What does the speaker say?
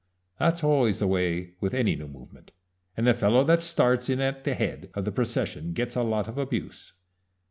That's always the way with any new movement, and the fellow that starts in at the head of the procession gets a lot of abuse.